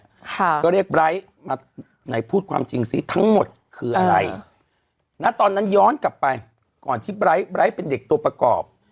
ค่ะก็เรียกไร้มาไหนพูดความจริงซิทั้งหมดคืออะไรณตอนนั้นย้อนกลับไปก่อนที่ไร้ไลท์เป็นเด็กตัวประกอบ